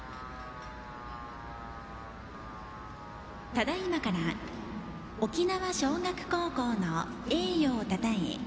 ただいまから沖縄尚学高校の栄誉をたたえ